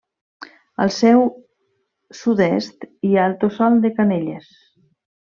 Al seu sud-est hi ha el Tossal de Canelles.